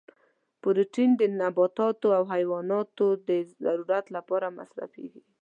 پروتین د نباتاتو او حیواناتو د ضرورت لپاره مصرفیږي.